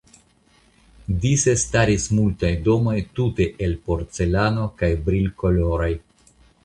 Dise staris multaj domoj tute el porcelano kaj brilkoloraj.